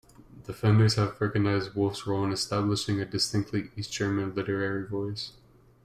Defenders have recognized Wolf's role in establishing a distinctly East German literary voice.